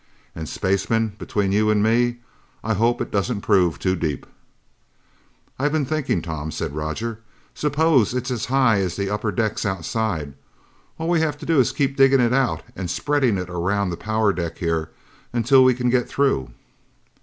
And spacemen, between you and me, I hope it doesn't prove too deep!" "I've been thinking, Tom," said Roger, "suppose it's as high as the upper decks outside? All we have to do is keep digging it out and spreading it around the power deck here until we can get through."